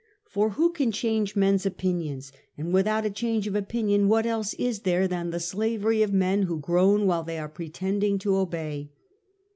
For who can change men's opinions ; and without a change of opinion what else is there than the slavery of men who groan while they are pretending to obey